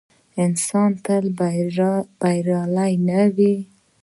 انسان تل بریالی نه وي.